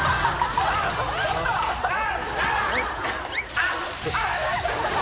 あっ！